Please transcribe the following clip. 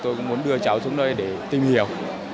tôi muốn đưa cháu xuống đây để tìm hiểu